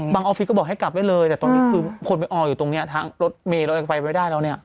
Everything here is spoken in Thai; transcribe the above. ออฟฟิศก็บอกให้กลับได้เลยแต่ตอนนี้คือคนไปอออยู่ตรงนี้ทางรถเมย์เรายังไปไม่ได้แล้วเนี่ย